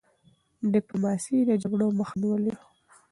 ډيپلوماسی د جګړو مخه نیولې ده.